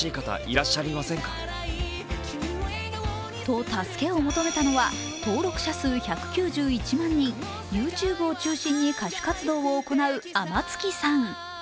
と助けを求めたのは登録者数１９１万人、ＹｏｕＴｕｂｅを中心に歌手活動を行う天月さん。